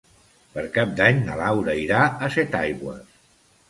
Per Cap d'Any na Laura irà a Setaigües.